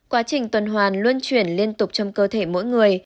quá trình tuần hoàn luôn chuyển liên tục trong cơ thể mỗi người